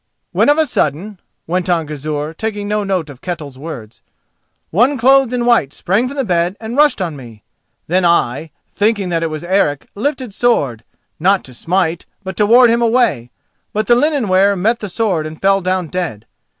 "When of a sudden," went on Gizur, taking no note of Ketel's words, "one clothed in white sprang from the bed and rushed on me. Then I, thinking that it was Eric, lifted sword, not to smite, but to ward him away; but the linen wearer met the sword and fell down dead.